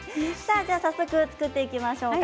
早速、作っていきましょうか。